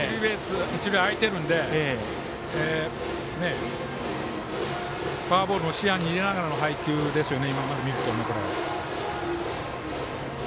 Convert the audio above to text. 一塁が空いてるのでフォアボールも視野に入れながらの配球ですよね。